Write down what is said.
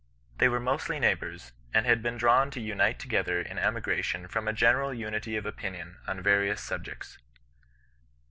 They were mostly neighbours, and had been drawn to unite together in emigration from a general unity of opinion on various subjects.